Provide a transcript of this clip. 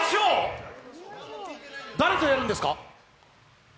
誰とやるんですか？